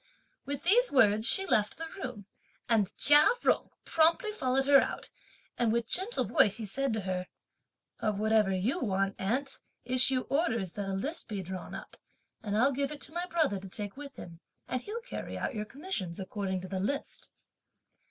With these words, she left the room, and Chia Jung promptly followed her out, and with gentle voice he said to her: "Of whatever you want, aunt, issue orders that a list be drawn up, and I'll give it to my brother to take with him, and he'll carry out your commissions according to the list."